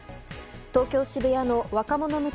東京・渋谷の若者向け